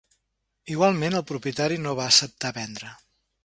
Igualment, el propietari no va acceptar vendre.